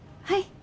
はい。